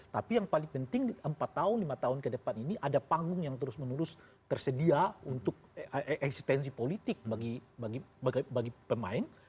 tapi yang paling penting empat tahun lima tahun ke depan ini ada panggung yang terus menerus tersedia untuk eksistensi politik bagi pemain